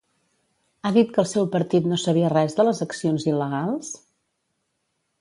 Ha dit que el seu partit no sabia res de les accions il·legals?